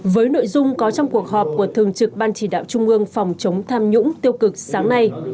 với nội dung có trong cuộc họp của thường trực ban chỉ đạo trung ương phòng chống tham nhũng tiêu cực sáng nay